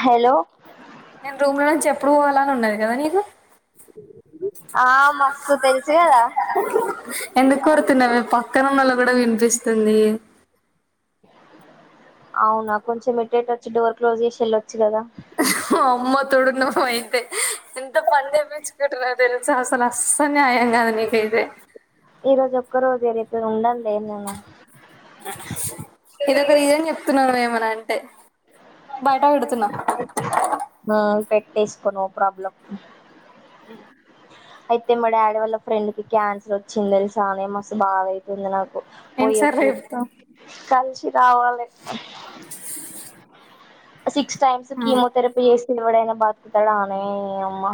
Hello నేను రూంలోనే చెప్ప ప్పుడు అలాని ఉన్నది కదా నీకు ఆ మస్స్తు తెలుసు కదా ఎందుకు కోరుతున్నావి పక్కనన్నళు కూడా వినిపిస్తుంది అవునా కొంచెం ఎటేటు వచ్చి డోర్ క్లోజ్ చేసి వెెళ్ళొచ్చు కదా అమ్మ తోడు నువ అయితే ఎంత పని చేప్పించుకుంటార తెలుసు అసలు అస్స న్యాయం కాదు నీకైతే ఈ రోజు ఒక్క రోజు రేప్ నేను ఉండను ఇదొక రీసన్ చెప్ న్నావు ఏమనా అంటే బయట పెడుతున్నా మా వేసుకో నో ప్రాబ్లం ఏ అయితే మా డాడీ వాళ్ల ఫ్రెండ్ కి క్యాన్సర్ వచ్చింది తెలుసానే మస్తు బాధ అవుతుంది నాకు ఏంటి సార్ పోయప్పుడు చెప్తాం కలిసి రావాలి సిక్స్ టైమ్స్ కీమోథెరపీ చేసి ఎవడైనా బతుకుతాడనే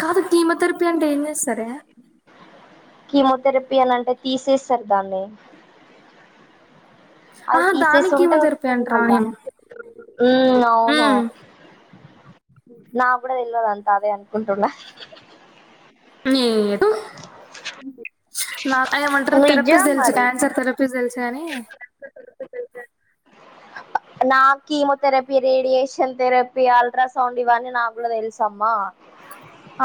కాదు కీమోథెరపీ అంటే ఏం చెస్ సరే కీమోథెరపీ అనింటే తీసేస్తారు దాన్ని అది ఆహా తీసేసి దానికి ఉంటే కీమోథెరపీ వస్తది అంటారా మల్ల నేను హ్మ్మ్ అవును ఉమ్ నా కూడా తెలిదు అంత అదే అనుకుంటున్నా నిజం థెరపీస్ తెలు మరి క్యాన్సర్ థెరపీస్ తె కనీ నా కీమోథెరపీ రేడియేషన్ థెరపీ అల్ట్రాసౌండ్ ఇవన్నీ నాకు తెలుసమ్మా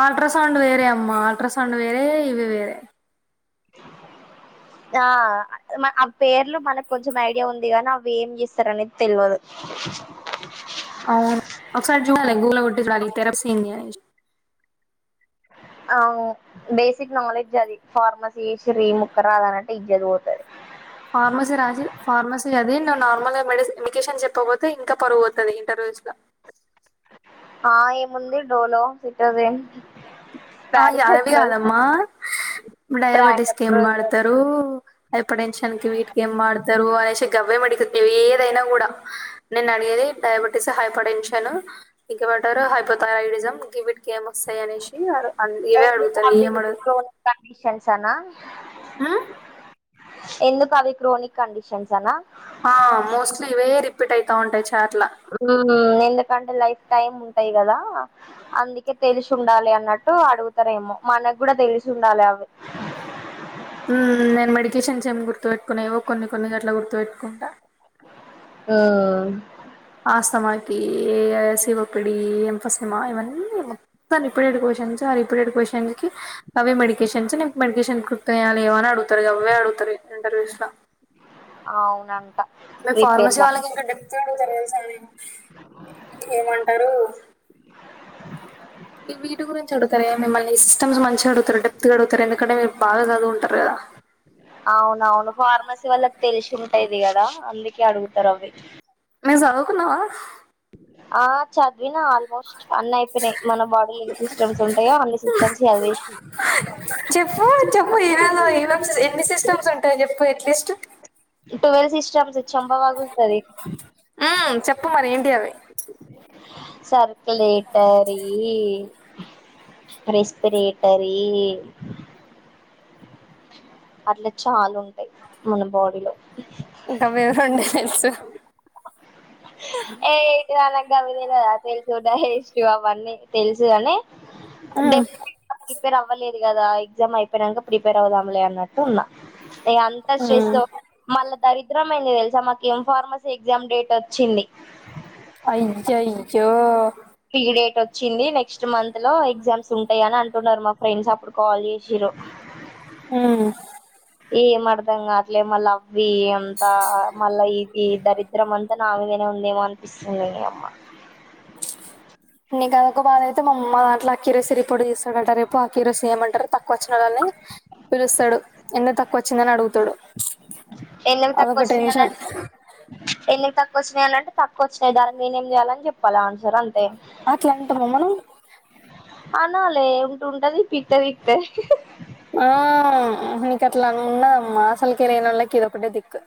ఆల్ట్రా సౌండ్ వేరే అమ్మా ఆల్ట్రా సౌండ్ వేరే ఇవి వేరే ఆ ఆ పేర్లు మనకు కొంచెం ఐడియా ఉంది నీ అవి ఏం చేస్తార అనేది తెల్వదు అవును ఒకసారి చూడాలి గూగుల్ లో కొట్టి చూడాలి ఇ థెరపీ ఆ బేసిక్ నాలెడ్జ్ అది ఫార్మసీ శ్రీ ముక్క రాదు అనంటే ఎజ్జత్ పోతాది ఫార్మస రాజ ఫార్మసి అదే నార్మల్ గా మెడికేషన్ చెప్పపోతే ఇంకా పరువు పోతాది ఇంటర్వ్యూస్ ల ఆ ఏముంది డోలో సిట్రోజిన్ ఆ యారువి అదమ్మా డయబెటీస్ కి ప్రాంటప్రోజోల్ ఏంవడతారు హైపర్ టెన్షన్ కి వీట్ ఏంవడతారు చి గవ్వే మడికల్ ఏదైనా గూడా నేను అడిగేది డయాబెటీస్ హైపర్ టెన్షన్ ఇంక బటర్ హైపోథైరాయిడిజం గివిటి ఏమ్ ఒస్తయి అనేషి ఆడు ఎ టో కడిషన్స్నా అ ఎందుకు అవి క్రోనిక్ కండీషన్స్ అనా ఆ మోస్ట్లీ ఇవే రిపీట్ అయితా ఉంటాయి చ్ ఊమ్ ఎందుకంటే లైఫ్ టైమ్ ఉంటయి గదా అందుకే తెలిషి ఉండాలి అన్నట్టు అడుగుతారేమో మన గూడా దెలిశుండాలి అవి ఊమ్ నేన్ మెడికేషన్ చం గుర్తువెట్టుకున్నేవో కొన్ని కొన్ని గట్ల గుర్తు పెట్టుకుంట ఓ ఆస్తమాకి శివపిడి ఎంపసిమా ఇవన్నీ మొత్తం రిపీటెడ్ క్వశ్చన్స్ ఆ రిపీటెడ్ క్వశ్చన్స్ కి అవే మెడికేషన్స్ మెడికేషన్ కృర్య్యాలివ అని అడుగుతారు అవే అడుగుతారు ఇంటర్వ్యూస్ ల అవునం మరి ఫార్మసీ వాళ్ళకి ఏంటడి గడుతర దెల్సానెమో ఏమంటరు మీ వీటి గురించి అడుతార ఇగ మిమల్ని సిస్టమ్స్ మంచిగా అడుగు తరు డప్త్ అడుగుతరు ఎందుకంటే బాగ జదువుడు అవునవును ఫార్మసీ వల్ల తెలిసి ఉంటది గద అందుకే అడుగుతారు అవి ని జదుకున్నవా ఆ చద్వినా ఆల్మోస్ట్ అన్న అయిపోయినయి మన బాడీలు ఎన్ని సిస్టమ్స్ ఉంటాయో అన్ని సిస్టమ్స్ జదివేశి చెప్పు చెప్పు ఏవేదో లిస్టు ట్వెల్ సిస్టమ్స్ చంబ వగుల్తది ఉమ్ చెప్పు మరి ఏంటి అవి సర్కులేట్ టరీ రెస్పిరేటరీ అట్ల చాలుంటయ్ మన బాడీలో ఇంక మీరుండే దెల్సు ఏటిదనక్ గవి దెల్వదా తెలుసున్న ఏస్టు అవన్నీ తెలుసు గని డె ఉమ్ ప్ ప్రిపేర్ అవ్వలేదు వుంది గదా ఎగ్జామ్ అయిపోయినంక ప్రిపేర్ అవుదాంలే అన్నట్టు ఉన్న ఇగ అంత చేశ్రవ్ మళ్ళా దరిద్రమేంది దెల్సా మాకు ఏం ఫార్మసి ఎక్సమ్ డేట్ వ చ్చింది. అయింది. మంచిగ అయింది. [unintelligible] ఫీ డేట్ వచ్చింది నెక్స్ట్ మంత్ లో ఎగ్జామ్స్ ఉంటయ్ అని అంటున్నారు మా ఫ్రెండ్స్ అప్పుడు కాల్ చేశిర్రు. ఆ ఏమర్ధం కాట్లే మళ్ళ అవ్వి అంతా ఆ మళ్ళ ఇ ఈ దరిద్రం అంత నామిదనే ఉందేమో అనిపిస్తుంది, నీ అమ్మ. నీక్ అదొక బాధ అయితే మా దాంట్ల కిరోసి రిపోర్ట్ తీస్తడంట రేప్, ఆ కిరోసి ఏమంటరు తక్కువచ్చిన నోళ్ళని పిలుస్తడు. ఎందుకు తక్కువ వచ్చిందని అడుగుతడు. ఎందుకు తక్కువచ్చినయి అని అంటే. ఎందుక్ తక్ వచ్చినయ్ అని అంటే, తక్కువ వచ్చినయ్ దానికి నేనేం చేయాలని చెప్పాలా ఆన్స అట్ల అంటమ మనం. అనాలే ఉంట్ ఉంటది పీకితే పికతది. ఆ నీకు అట్లా ఉన్నదమ్మా, అసల్కే నోళ్ళకి ఇది ఒకటే దిక్కు.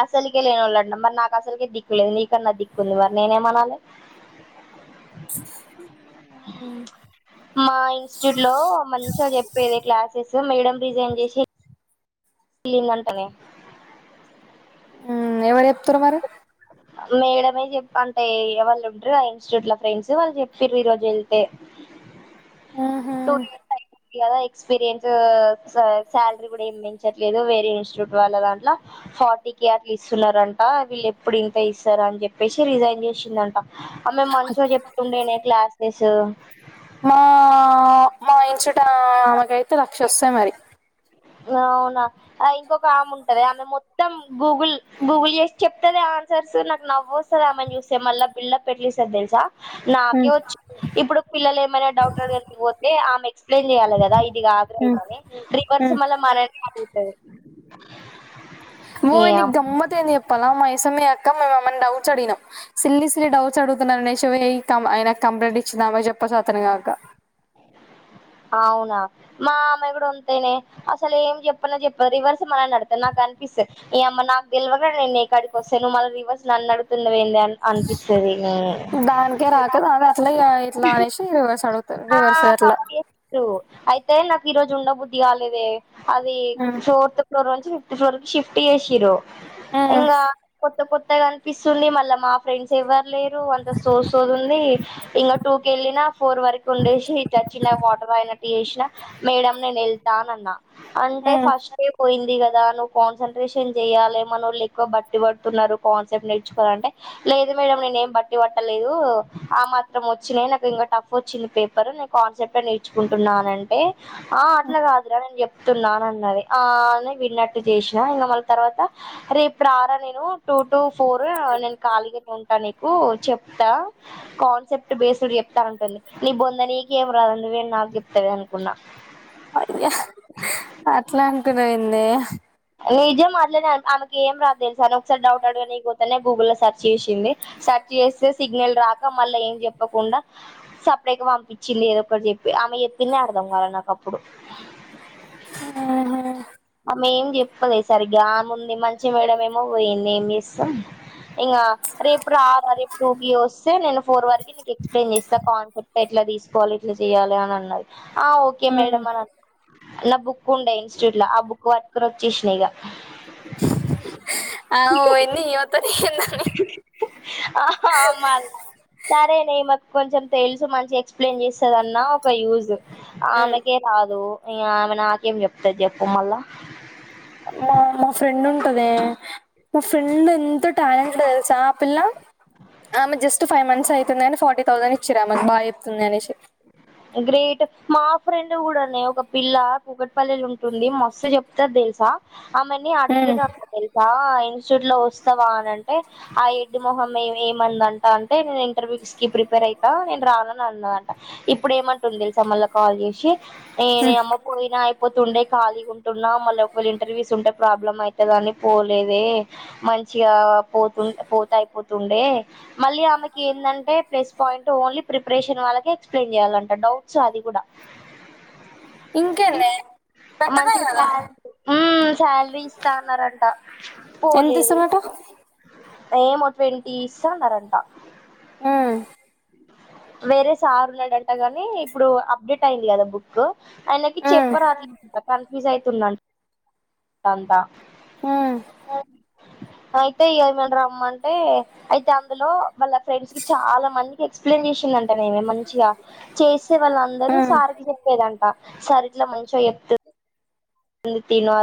అసల్కే లేనోళ్ళంట మరి నాక్ అసల్కే దిక్కులేదు. నీకన్నా దిక్కుంది మరి నేనేమనాలె. మాయి ఇన్స్టిట్యూట్ లో మంచిగ చెప్పేదె క్లాసెస్ మేడమ్. రిజైన్ చేసి వెలిందంటనే. ఊ ఎవరు చెప్తరు మరి. మేడమే చెప్ అంటే ఇగ వాళ్ళు ఉంటరు గదా ఇన్స్టిట్యూట్ ల ఫ్రెండ్స్ వాళ్ళు చెప్ప్ర ఈ రోజు ఎళ్తే. ఆహా ఇయాల ఎక్స్పీరియన్స్ ఆ శాలరీ కూడా ఏం మించట్లేదు. వేరే ఇన్స్టిట్యూట్ వాళ్ల దాంట్ల, ఫార్టీకే అట్ల ఇస్తున్నరంటా. వీళ్ళు ఎప్పుడు ఇంతె ఇస్తర్ అని చెప్పేశి రిజైన్ చేశిందంట. ఆమె మంచిగ చెప్తుండేనే క్లాసెస్. [unintelligible] మా మా ఇన్స్టిట్యూట్ ఆ ఆమెకయితే లక్ష వస్తయి మరీ. అవునా, ఆ ఇంకొక ఆమె ఉంటదే ఆమె మొత్తం గూగుల్, గూగుల్ చేసి చెప్తదే ఆన్సర్స్ నాక్ నవ్వు వస్తది ఆమెని చూస్తే మళ్ల బిల్డ్ అప్ ఎట్ల ఇస్తది తెలుసా. నాకే ఉమ్ వచ్చు. ఇప్పుడు పిల్లలు ఏమైన డౌట్ అడగనీకి పోతే ఆమె ఎక్స్ప్లెయిన్ చెయ్యాలె గదా ఇది కాదురా ఉమ్ ఇదని రివర్స్. స్ మల్ల మనల్నే అడుగుతది. ఏ ఓయ్ నీక్ గమ్మత్తేంది చెప్పాలా మా సమ్మే అక్క మేం ఆమెన్ డౌట్స్ అడిగినం. సిల్లీ సిల్లీ డౌట్స్ అడుతున్నారు అనేస్ శి ఏ ఈ కం ఆయనక్ కంప్లైంట్ ఇచ్చిందామె చెప్ప చాతన గాక. అవునా. మా ఆమె కూడ అంతేనే, అసల్ ఏం చెప్పనే చెప్పదీ. రివర్స్ మనల్ని అడుగుతది నాక్ అనిపిస్తది. నీ అమ్మ నాక్ తెల్వక నేన్ నీ కాడికి వస్తే నువ్వు మళ్ళ రివర్స్ నన్ను అడుతున్నవ్ ఏంది అని అనిపిస్తది. దానికే రాక దాని అట్లా ఇగా ఇట్లా అనేశీ రివర్స్ అడుగుతరు. ఆ కవర్ చే [inaudible] రూ. అయితే నాకు ఈ రోజు ఉండ బుద్ధి కాలేదే. అది ఉమ్ ఫోర్త్ ఫ్లోర్ వ ష షిఫ్ట్ చేసి ఉమ్ ఇంగా కొత్త కొత్త అంత కనిపిస్తుంది మళ్ళా మా ఫ్రెండ్స్ ఎవరులేరు అంత చోది చోడి ఇంకా టూ క వెళ్ళిన ఫోర్ వరకు ఉండెషి థేచినా వాటర్ అనట్టు చేసిన మేడమ్ నేను వెళ్తాన అన్నా అంటే ఉమ్ ఫస్ట్ పోయింది కదా నువ్వు కాన్సన్ంట్రేషన్ చెయాలి మన వాళ్ళు ఎక్కువ బట్టి పడుతున్నారు కాన్సెప్ట్ నేర్చుకోవాలంటే లేదు మేడమ్ నీ నేం బట్టి పట్టల్ దు ఆ మాత్రం వచ్చిన నాకు ఇంకా టఫ్ వ వచ్చింది పేపర్ నేను కాన్సెప్ట్ నేర్చుకుంటున్నాన అంటే ఆ అట్లాగాదురా నం గప్ప తున్నాన అన్నది ఆ విన్నట్టు చేసిన ఇంక మళ్ళ తర్వాత రేపుడు ఆరా నేను టూ టూ ఫోర్ నేను ఖాళగా ఉంటా నకు చెప్తా కాన్సెప్ట్ బేస్డ్ చెప్తాంటుంది నీ పొంద నీకేం రాదండి వేరు నాకుగు చెప్తంది అనుకున్నా అయ్యా అట్లా అంటున్నాయింది నిజం మాట్లా ఆమెకి ఏం రాదు తెలుస అని ఒకసారి డౌట్ అడగా న పోతేనే గూగుల్లో లో సెర్చ్ చేసింది సర్చ్ చేస్తే సిగ్నల్ రాక మళ్ళ ఏం చెప్పకుండా సపరేట్గా పంపించింది ఏదొ ఒకటి చెప్పి ఆమె చెప్పింది అర్ధం కాల నాకు అప్పుడు ఆ అహా మేం చెప్పదు ఈసరి గామ్ ఉంది మంచి మేడ ఏమో పోయింది ఏం చేస్తాం ఇంకా రేపు ఆ రేపు టూ కి వస్తే నేను ఫోర్ వరకు నీకు ఎక్స్ప్లెయిన్ చేస్తా కాన్సెప్ట్ ఎట్లా తీసుకోవాలి ఎట్లా చెయ్యాలి అని అన్నది ఆ ఓకే ఉమ్ మేడమా అని అన్నా న్న బుక్ ఉండ ఇన్స్టిట్యూట్ లో కు అకుచ్చిష్నిగా అ ఎన్ని ఇవత మ సారే న కొంచెం తెలుసు మంచిగా ఎక్స్ప్లెయిన్ చేస్తుందిన్న ఒక యూజ్ ఆ ఉమ్ ఆమెగే రాదు అయ ఆమె నాకేం చెప్తది చెప్ప మళ్ళా మా మా ఫ్రెండ్ ఉంటద మా ఫ్రెండ్ ఉంట్టదే టైమ్ సెన్స్ చపిల్ల ఆమె జస్ట్ ఫైవ్ మంత్స్ యి ఉందని ఫార్టీ థౌసండ్ ఇచ్చిర్రు ఆమెకి బా చెప్తుంది అనేసి గ్రేట్ మా ఫ్రెండ్ కూడానే ఒక పిల్ల కూకట్పల్లి ఉంటుంది మస్తు చెప్తది తెలుసా ఆమెని మ్మ్ అడిగిరంట తెలుసా ఇన్స్టిట్యూట్ లో వస్తావా అని అంటే ఆ ఎడడ్డి మొహం ఏమందంట అంటే నేను ఇంటర్వ్యూస్ కి ప్రిపేర్ అవుతా నేను రానని అన్నదంట ఇప్పుడ ఏమంటుంది తెలుసా మల్ల కాల్ చేసి ఏ నీ మ్మ్ అమ్మ పోయినా లేకపోతే ఉండే కాళీగుంటున్నా మళ్ళీ ఒకవేళ ఇంటర్వ్యూస్ ఉంటే ప్రాబ్లమ్ అయితుందని పోలేదే మంచిగా పోతుంట పోతాయ్ పోతు తుండె మళ్ళీ ఆమెకి ఏందంటే ప్లస్ పాయింట్ ఓన్లీ ప్రిపరేషన్ వాళ్ళకి ఎక్స్ప్లెయిన్ చేయ్యాలంట డౌట్స్ అది కూడా ఉం ఇంకేంది బెట్టరే కదా శాలరీ ఇస్తాన్నారంట ఎంత పోలేదు. ఇస్తున్నట ఏమో ట్వెంటీ ఇస్తానారంట. ఆ వేరే సార్ ఉన్నాడుంట గాని ఇప్పుడు అప్డేట్ అయింది కదా బుక్ ఆయనకి మ్మ్ చెప్పర యూజ్ అవుతుందంట అంతా మ్మ్ [unintelligible] అయితే ఏ ముండ రమ్మ అంటే అయితే అందులో వాళ్ళ ఫ్రెండ్స్ కి చాలా మందికి ఎక్స్ప్లెయిన్ చేసిందంట చేసే వాళ్ళ అందరూ మ్మ్ సార్ కి చెప్పేదంట సార్ ఇట్లా మంచిగ చెప్తే ఉంది తినువా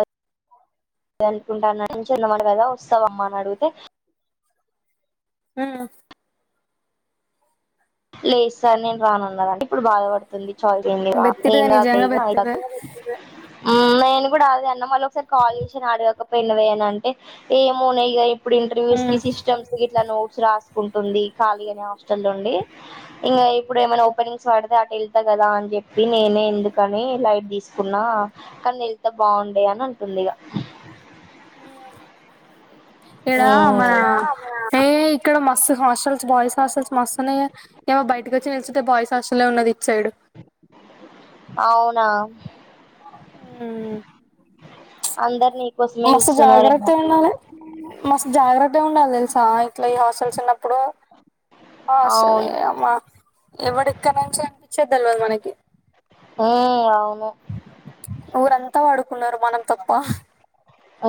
అదే అనుకుంటా [unintelligible] నువ్వు ఎలా వస్తావమ్మా అని అడిగితే ఉం లేదు సార్ నేను రాను అన్నారంట. ఇప్పుడు బాధ పడుతుంది చాయస్ ఏం లేవ బెత్తిరిదే నిజంగా [unintelligible] అయ్యాక బెత్తిరిదే ఆ నేను కూడా అదే అన్న మళ్ళీ ఒకసారి కాల్ చేసి ఐన అడిగాక పెన్న వేయాను అంటే ఏమ న ఇ ఇప్పుడు ఇంటర్వ్యూస్ కి మ్మ్ సిస్టమ్స్ గిట్లా నోట్స్ రాస్త ఉంటుంది ఖాళీ అనే హాస్టల్ నుండి ఇంకా ఇప్పుడు ఏమైనా ఓపెనింగ్స్ పడితే అటు వెళ్తా కదా అని చెప్పి నేనే ఎందుకని లైట్ తీసుకున్నా కానీ వెళ్తా బాగుండే అని అంటుంది ఇక [unintelligible] [unintelligible] ఈడ మన ఏ ఇక్కడ మస్తు హాస్ హాస్టల్స్ బాయ్స్ హాస్టల్స్ మస్తున్నాయి ఏమో బయటకి వచ్చి నిల్చుంటే బాయ్స్ హాస్టల్ ఉన్నది ఇచ్చాడు. అవునా వుమ్మ్ అందర్ని మస్త్ జాగ్రత్తగ ఉండాలే, మస్త్ జాగ్రత్తగ ఉండాలి తెలుసా ఆ ఇట్లా ఈ హాస్టల్స్ ఉన్నప్ ఇప్పుడు అసలే అవును అమ్మా ఎవడు ఇక్కడ నుంచి అనిపించేద్దలివాదు మనకి ఉమ్ అవును ఊరంతా వాడుకు ఉన్నారు మనం తప్ప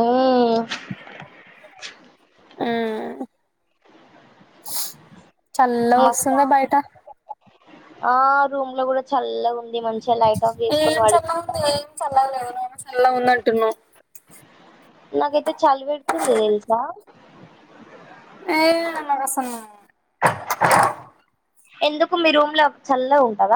ఉమ్మ్ ఊమ్ చల్లగ మస్తు వస్తుందా బయట ఆ రూమ్ లో కూడా చల్లగా ఉన్ ఏం చల్లగా ఉంది ఏం చల్లగా లేదు నేను చల్లగా ఉంద నా నాకైతే చలి పెడుతుంది తెలుసా ఏ నాకసలు ఎందుకు మీ రూమ్ లో చల్లగ ఉండదా.